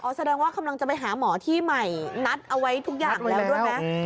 แสดงว่ากำลังจะไปหาหมอที่ใหม่นัดเอาไว้ทุกอย่างแล้วด้วยไหม